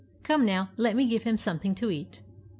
Come now, let me give him something to eat."